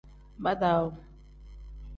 Badawu.